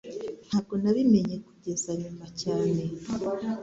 Ntabwo nabimenye kugeza nyuma cyane